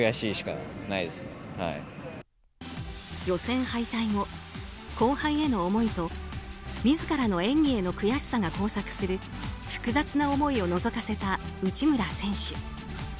予選敗退後、後輩への思いと自らの演技への悔しさが交錯する複雑な思いをのぞかせた内村選手。